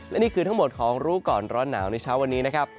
และนี่คือทั้งหมดของรู้ก่อนร้อนหนาวในเช้าวันนี้นะครับ